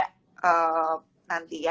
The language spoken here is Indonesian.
temanya apa bisa langsung dicek juga